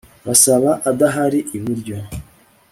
basaba adahari iburyo